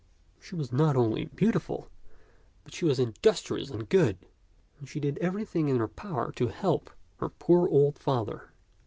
She was not only beautiful, but she was industrious and good, and she did everything in her power to help her poor old father.